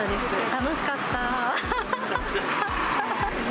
楽しかった。